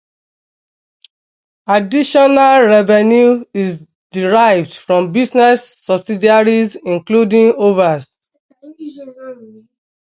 Additional revenue is derived from business subsidiaries including Hoover's.